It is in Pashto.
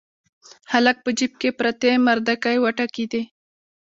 هلک په جيب کې پرتې مردکۍ وټکېدې.